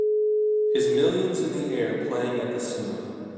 Is Millions in the Air playing at the cinema